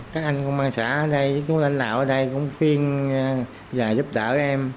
các anh công an xã ở đây các chú lãnh đạo ở đây cũng khuyên và giúp đỡ em